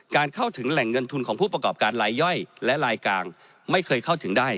เข้าถึงแหล่งเงินทุนของผู้ประกอบการลายย่อยและลายกลางไม่เคยเข้าถึงได้